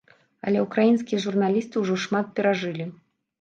Але ўкраінскія журналісты ўжо шмат перажылі.